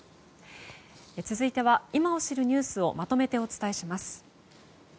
続いては今を知るニュースをまとめてお伝えします。